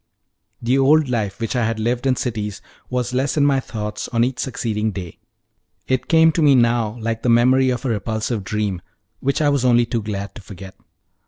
The old life, which I had lived in cities, was less in my thoughts on each succeeding day; it came to me now like the memory of a repulsive dream, which I was only too glad to forget.